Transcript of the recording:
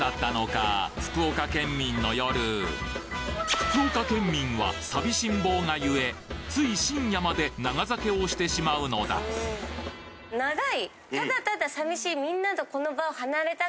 福岡県民は寂しんぼうがゆえつい深夜まで長酒をしてしまうのだ長い。